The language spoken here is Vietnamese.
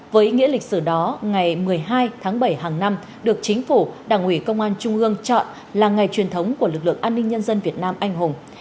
với ý nghĩa lịch sử đó ngày một mươi hai tháng bảy hàng năm được chính phủ đảng ủy công an trung ương chọn là ngày truyền thống của lực lượng an ninh nhân dân việt nam anh hùng